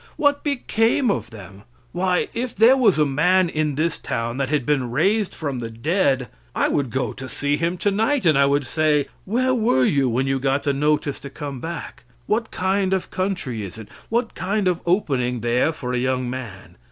What became of them? Why, if there was a man in this town that had been raised from the dead, I would go to see him tonight. I would say, "Where were you when you got the notice to come back? What kind of country is it? What kind of opening there for a young man?